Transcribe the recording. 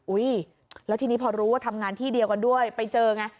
อุ้ยแล้วทีนี้พอรู้ว่าทำงานที่เดียวกันด้วยไปเจอไง